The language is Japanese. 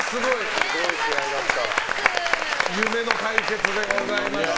夢の対決でございました。